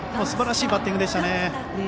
すばらしいバッティングでしたね。